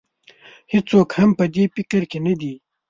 هېڅوک هم په دې فکر کې نه دی.